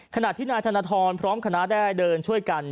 ขณะที่นายธนทรพร้อมคณะได้เดินช่วยกัน